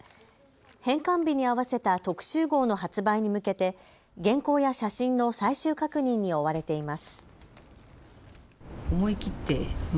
返還日に合わせた特集号の発売に向けて原稿や写真の最終確認に追われています。